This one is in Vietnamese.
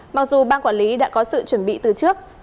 mặc dù bang quản lý đã có sự chuẩn bị từ chương trình